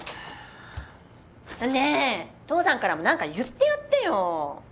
ねえ父さんからも何か言ってやってよ！